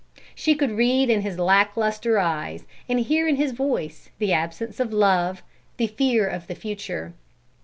She could read in his lack lustre eyes, and hear in his voice, the absence of love, the fear of the future.